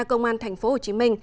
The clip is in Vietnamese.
công an tp hcm